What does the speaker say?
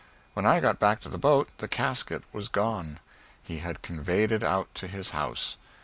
When I got back to the boat the casket was gone. He had conveyed it out to his house.